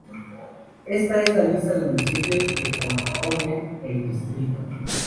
Esta es la lista de municipios que componen el distrito.